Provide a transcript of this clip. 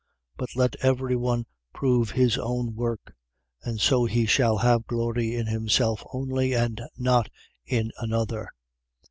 6:4. But let every one prove his own work: and so he shall have glory in himself only and not in another.